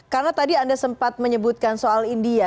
karena tadi anda sempat menyebutkan soal india